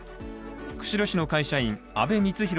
釧路市の会社員、阿部光浩